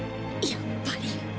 やっぱり。